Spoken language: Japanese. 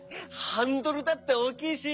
ハンドルだっておおきいし。